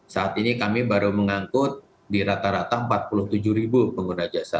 saat ini kami baru mengangkut di rata rata empat puluh tujuh ribu pengguna jasa